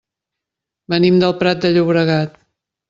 Venim del Prat de Llobregat.